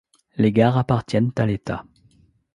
Les gares appartiennent à l’État.